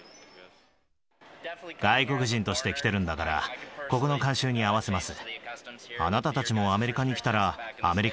外国人として来てるんだから、ここの慣習に合わせます。